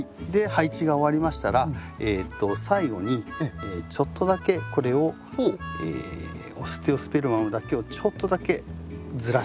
配置が終わりましたら最後にちょっとだけこれをオステオスペルマムだけをちょっとだけずらしていきます。